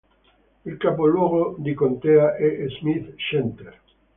Il capoluogo di contea è Smith Center